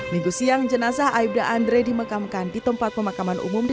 minggu siang jenazah aibda andrewiby di mekam kanti tempat pemakaman umum di